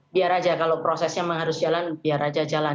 biar aja kalau prosesnya harus jalan biar aja jalan